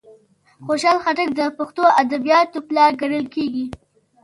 خوشال خټک د پښتو ادبیاتوپلار کڼل کیږي.